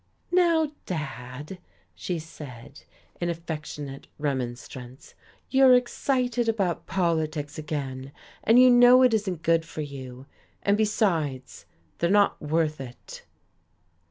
"Now, dad," she said, in affectionate remonstrance, "you're excited about politics again, and you know it isn't good for you. And besides, they're not worth it."